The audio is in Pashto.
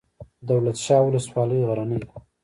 دولت شاه ولسوالۍ غرنۍ ده؟